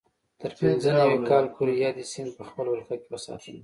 تر پینځه نوي کال پورې یادې سیمې په خپل ولکه کې وساتلې.